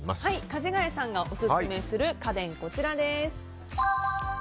かじがやさんがオススメする家電、こちらです。